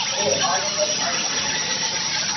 I showed Jay 'All of Us Are Dying.